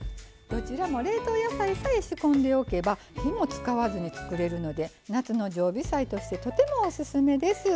どちらも冷凍野菜さえ仕込んでおけば火も使わずに作れるので夏の常備菜としてとてもおすすめです。